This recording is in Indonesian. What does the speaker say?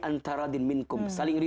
antara dinh minkum